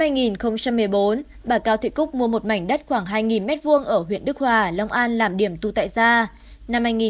năm hai nghìn một mươi bốn bà cao thị cúc mua một mảnh đất khoảng hai m hai ở huyện đức hòa long an làm điểm tu tại gia